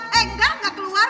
eh enggak gak keluar